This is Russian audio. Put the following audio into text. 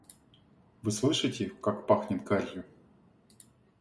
— Вы слышите, как пахнет гарью.